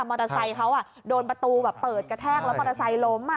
อเตอร์ไซค์เขาโดนประตูแบบเปิดกระแทกแล้วมอเตอร์ไซค์ล้ม